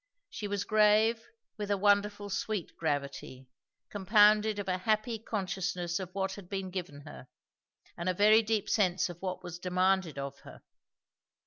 She was grave with a wonderful sweet gravity, compounded of a happy consciousness of what had been given her, and a very deep sense of what was demanded of her.